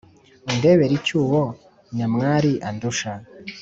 undebere icyo uwo nyamwari andusha."